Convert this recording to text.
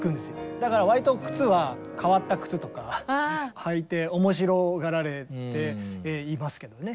だからわりと靴は変わった靴とか履いて面白がられていますけどね。